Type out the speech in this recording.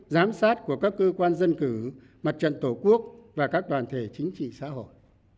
giám sát của các cơ quan dân cử mặt trận tổ quốc và các đoàn thể chính trị xã hội